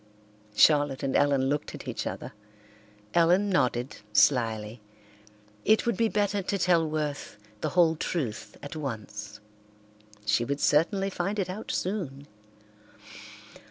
Charlotte and Ellen looked at each other. Ellen nodded slyly. It would be better to tell Worth the whole truth at once. She would certainly find it out soon.